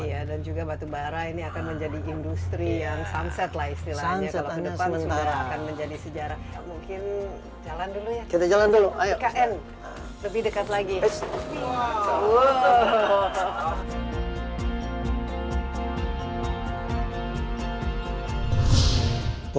iya dan juga batu bara ini akan menjadi industri yang sunset lah istilahnya